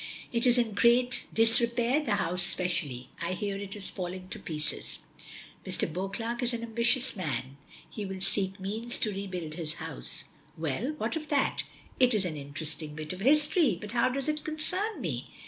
It is in great disrepair, the house especially. I hear it is falling to pieces. Mr. Beauclerk is an ambitious man, he will seek means to rebuild his house." "Well what of that? It is an interesting bit of history, but how does it concern me?